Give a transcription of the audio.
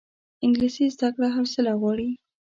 انګلیسي زده کړه حوصله غواړي